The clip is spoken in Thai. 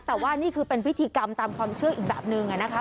แต่ว่านี่คือเป็นพิธีกรรมตามความเชื่ออีกแบบนึงนะคะ